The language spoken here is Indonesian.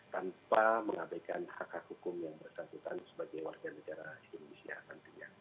tanpa mengabaikan hak hak hukum yang bersangkutan sebagai warga negara indonesia tentunya